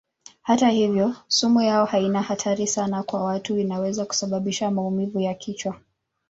Hata hivyo sumu yao haina hatari sana kwa watu; inaweza kusababisha maumivu ya kichwa.